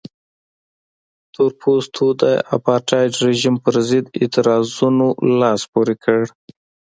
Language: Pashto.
تور پوستو د اپارټایډ رژیم پرضد اعتراضونو لاس پورې کړ.